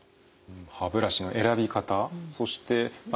歯ブラシの選び方そしてまた。